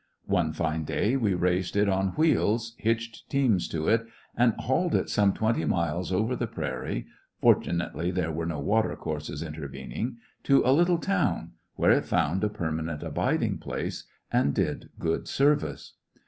One fine day we raised it on wheels, hitched teams to it, and hauled it some twenty miles over the prairie (fortu nately there were no watercourses interven ing) to a little town, where it found a perma nent abiding place and did good service.